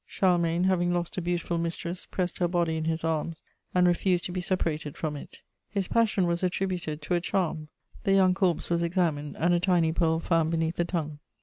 Charlemagne, having lost a beautiful mistress, pressed her body in his arms and refused to be separated from it. His passion was attributed to a charm: the young corpse was examined, and a tiny pearl found beneath the tongue.